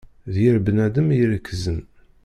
D yir bnadem i iṛekzen.